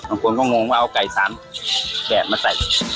ทุกคนก็งงว่าเอาไก่ซ้ำแกะมาใส่